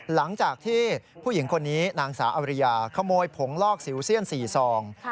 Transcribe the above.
หลังจากที่ผู้หญิงคนนี้นางสาวอริยาขโมยผงลอกสิวเซียน๔ซอง